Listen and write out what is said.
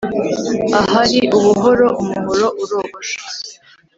Ahari ubuhoro umuhoro urogosha.